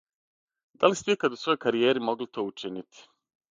Да ли сте икад у својој каријери могли то учинити?